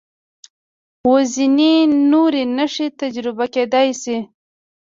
و ځینې نورې نښې تجربه کېدای شي.